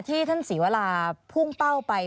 ที่ท่านสีวอลาพุ่งเป้าไป